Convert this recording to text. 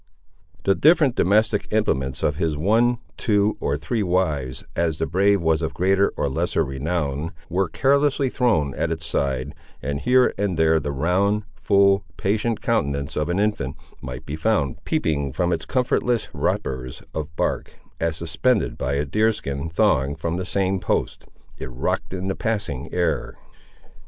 The different domestic implements of his one, two, or three wives, as the brave was of greater or lesser renown, were carelessly thrown at its side, and here and there the round, full, patient countenance of an infant might be found peeping from its comfortless wrappers of bark, as, suspended by a deer skin thong from the same post, it rocked in the passing air.